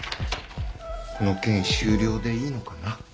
この件終了でいいのかな。